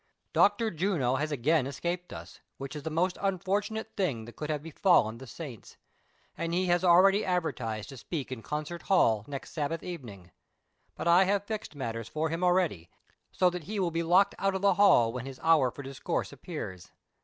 Dr. Juno has again escaped us, which is the most unfortunate thing that could have befallen the saints ; and he has already advertised to speak in Concert Hall, next Sabbath evening ; but I have tixed matters for him already, so that he will be locked out of the hall when his hour foi discourse appears.